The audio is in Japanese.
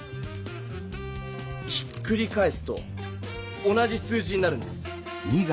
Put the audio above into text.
ひっくり返すと同じ数字になるんです。